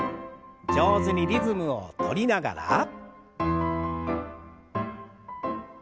上手にリズムをとりながら。